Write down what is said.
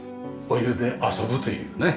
お湯で遊ぶというね。